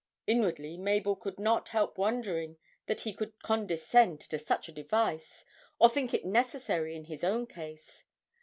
Inwardly Mabel could not help wondering that he could condescend to such a device, or think it necessary in his own case.